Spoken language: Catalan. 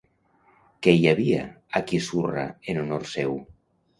Què hi havia a Kisurra en honor seu?